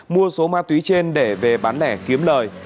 mua số ma túy trên để về bán lẻ kiếm lời